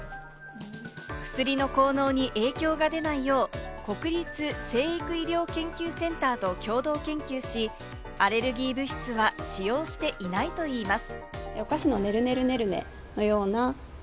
薬の効能に影響がないよう、国立成育医療研究センターと共同研究し、アレルギー物質は使用していないといいます。